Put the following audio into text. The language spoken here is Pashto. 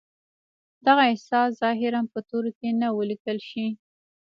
دغه احساس ظاهراً په تورو کې نه و ليکل شوی.